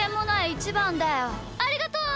ありがとう！